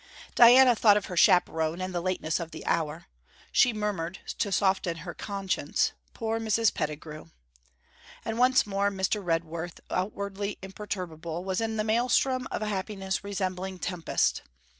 Diana thought of her chaperon and the lateness of the hour. She murmured, to soften her conscience, 'Poor Mrs. Pettigrew!' And once more Mr. Redworth, outwardly imperturbable, was in the maelstrom of a happiness resembling tempest.